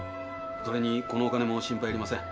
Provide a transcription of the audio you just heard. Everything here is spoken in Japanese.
それにこのお金も心配いりません。